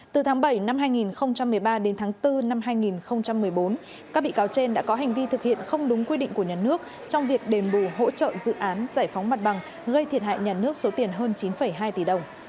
từ tháng bảy năm hai nghìn một mươi ba đến tháng bốn năm hai nghìn một mươi bốn các bị cáo trên đã có hành vi thực hiện không đúng quy định của nhà nước trong việc đền bù hỗ trợ dự án giải phóng mặt bằng gây thiệt hại nhà nước số tiền hơn chín hai tỷ đồng